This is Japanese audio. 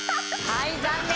はい残念。